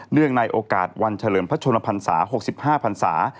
ในโอกาสวันเฉลิมพระชนพันศา๖๕พันศา